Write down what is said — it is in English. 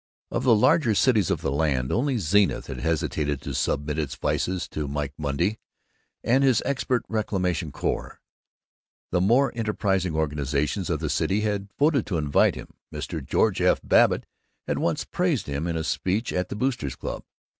Of the larger cities of the land, only Zenith had hesitated to submit its vices to Mike Monday and his expert reclamation corps. The more enterprising organizations of the city had voted to invite him Mr. George F. Babbitt had once praised him in a speech at the Boosters' Club.